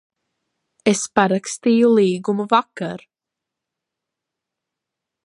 Es parakstīju līgumu vakar.